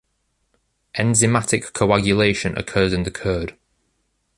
Enzymatic coagulation occurs in the curd.